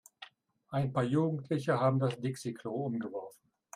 Ein paar Jugendliche haben das Dixi-Klo umgeworfen.